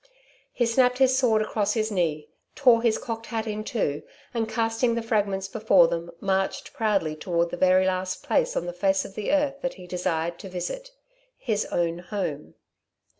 He snapped his sword across his knee, tore his cocked hat in two, and, casting the fragments before them, marched proudly toward the very last place on the face of the earth that he desired to visit his own home.